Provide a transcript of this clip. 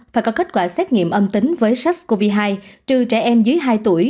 phải có kết quả xét nghiệm âm tính với sars cov hai trừ trẻ em dưới hai tuổi